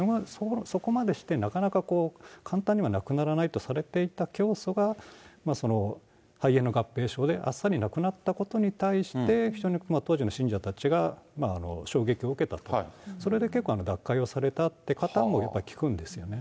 そこまでしてなかなか簡単には亡くならないとされていた教祖が肺炎の合併症であっさり亡くなったことに対して、非常に当時の信者たちが衝撃を受けたと、それで結構、脱会をされたという方も聞くんですよね。